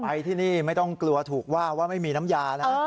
ที่นี่ไม่ต้องกลัวถูกว่าว่าไม่มีน้ำยานะ